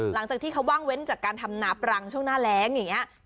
หลังจากที่เขาว่างเว้นจากการทำนาปรังช่วงหน้าแรงอย่างนี้